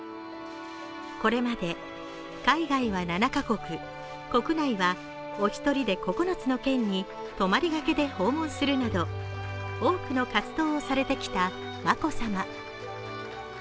これまで海外は７カ国、国内はお一人で９つの県に泊まりがけで訪問するなど多くの活動をされてきた眞子さま。